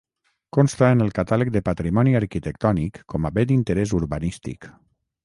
Consta en el catàleg de patrimoni arquitectònic com a bé d'interès urbanístic.